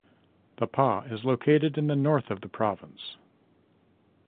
The Pas is located in the north of the province.